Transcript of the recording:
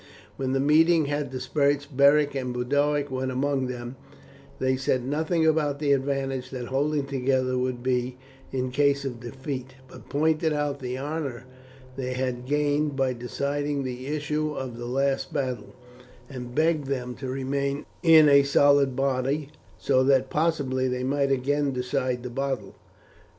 When the meeting had dispersed Beric and Boduoc went among them; they said nothing about the advantage that holding together would be in case of defeat, but pointed out the honour they had gained by deciding the issue of the last battle, and begged them to remain in a solid body, so that possibly they might again decide the battle.